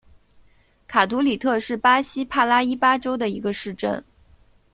卡图里特是巴西帕拉伊巴州的一个市镇。